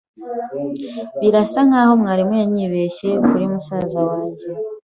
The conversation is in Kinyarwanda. Birasa nkaho mwarimu yanyibeshye kuri musaza wanjye.